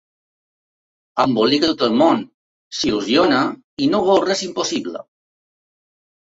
Embolica tot el món, s’il·lusiona i no veu res impossible.